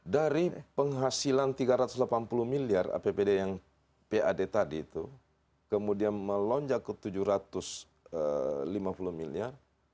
dari penghasilan tiga ratus delapan puluh miliar apbd yang pad tadi itu kemudian melonjak ke tujuh ratus lima puluh miliar